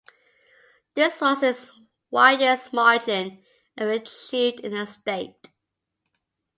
This was its widest margin ever achieved in the state.